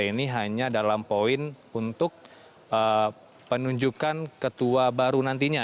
ini hanya dalam poin untuk penunjukan ketua baru nantinya